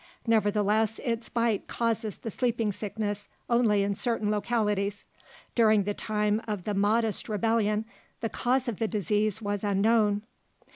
Nevertheless its bite causes the sleeping sickness only in certain localities. During the time of the Mahdist rebellion the cause of the disease was unknown.